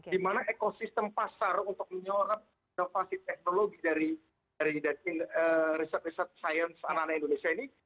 di mana ekosistem pasar untuk menyalurkan devasi teknologi dari riset riset sains anananya indonesia ini